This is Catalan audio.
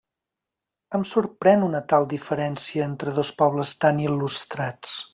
Em sorprèn una tal diferència entre dos pobles tan il·lustrats.